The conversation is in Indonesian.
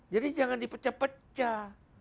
jadi jangan dipecah pecah